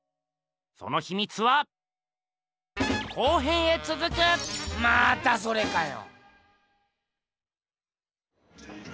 そのひみつはまたそれかよ。